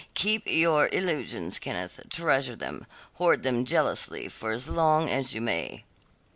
Keep your illusions, Kenneth; treasure them, hoard them jealously for as long as you may."